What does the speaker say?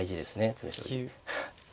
詰め将棋。